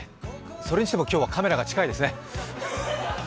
それにしても今日はカメラが近いですね。